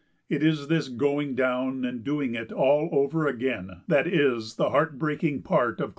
It is this going down and doing it all over again that is the heart breaking part of climbing.